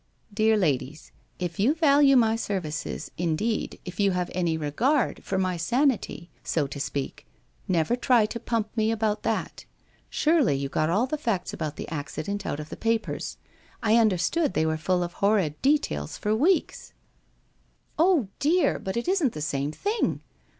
' Dear ladies, if you value my services, indeed, if you have any regard for my sanity, so to speak, never try to pump me about that. Surely you got all the facts about the accident out of the papers. I understood they were full of horrid details for weeks ?'* Yes, dear, but it isn't the same thing.